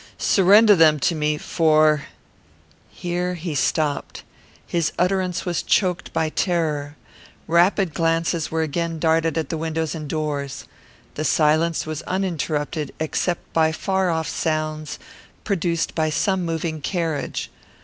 Surrender them to me, for " There he stopped. His utterence was choked by terror. Rapid glances were again darted at the windows and door. The silence was uninterrupted, except by far off sounds, produced by some moving carriage.